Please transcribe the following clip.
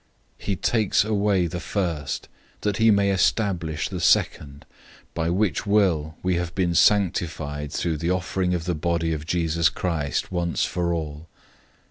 He takes away the first, that he may establish the second, 010:010 by which will we have been sanctified through the offering of the body of Jesus Christ once for all.